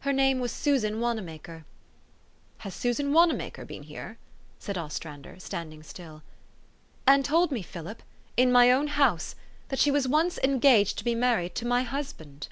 Her name was Susan Wanamaker." " Has Susan Wanamaker been here?" said Os trander, standing still. " And told me, Philip in my own house that she was once engaged to be married to my husband."